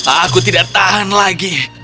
aku tidak tahan lagi